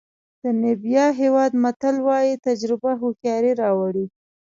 د نیمبیا هېواد متل وایي تجربه هوښیاري راوړي.